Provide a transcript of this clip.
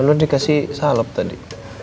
lo dikasih salep tadi